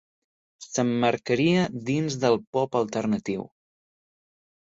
S'emmarcaria dins del pop alternatiu.